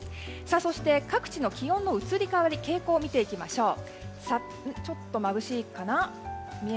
そして、各地の気温の移り変わりの傾向を見ていきましょう。